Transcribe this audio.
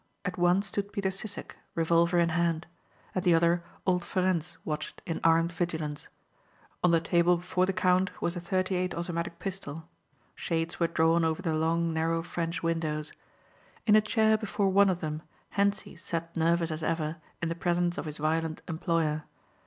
At one stood Peter Sissek, revolver in hand. At the other old Ferencz watched in armed vigilance. On the table before the count was a .38 automatic pistol. Shades were drawn over the long narrow French windows. In a chair before one of them Hentzi sat nervous as ever in the presence of his violent employer.